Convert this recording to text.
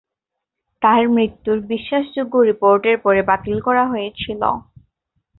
তার মৃত্যুর বিশ্বাসযোগ্য রিপোর্টের পরে বাতিল করা হয়েছিল।